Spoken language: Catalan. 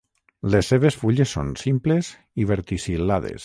Les seves fulles són simples i verticil·lades.